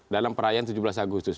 dalam perayaan tujuh belas agustus